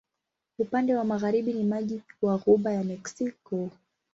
Upande wa magharibi ni maji wa Ghuba ya Meksiko.